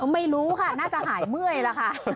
ไม่รู้ค่ะน่าจะหายเมื่อยแล้วค่ะ